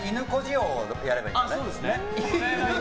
王をやればいいんだね。